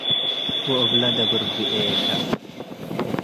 ወእብለ ድብር ብኤከ።